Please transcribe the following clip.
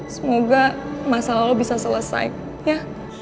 semoga masalah lo bisa selesai ya